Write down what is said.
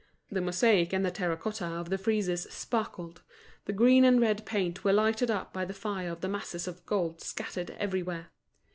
The mosaics and the terra cotta of the friezes sparkled, the green and red paint were lighted up by the fire of the masses of gold scattered everywhere.